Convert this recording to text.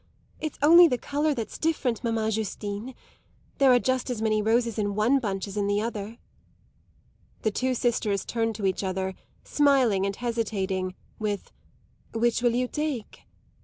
"It's only the colour that's different, mamman Justine; there are just as many roses in one bunch as in the other." The two sisters turned to each other, smiling and hesitating, with "Which will you take?"